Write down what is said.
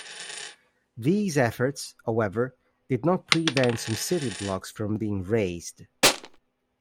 These efforts, however, did not prevent some city blocks from being razed.